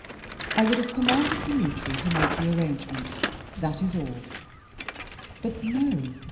I would have commanded Dmitry to make the arrangements, that is all. But no!